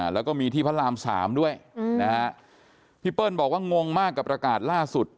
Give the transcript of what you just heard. แล้วก็มีที่พระราม๓ด้วยนะฮะพี่เปิ้ลบอกว่างงมากกับประกาศล่าสุด